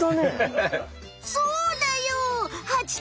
そうだよ！